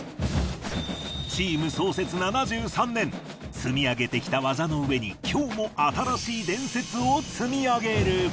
積み上げてきた技の上に今日も新しい伝説を積み上げる。